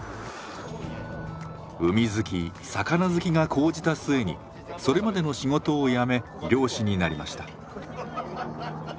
海好き魚好きが高じた末にそれまでの仕事を辞め漁師になりました。